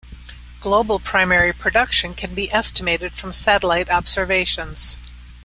Global primary production can be estimated from satellite observations.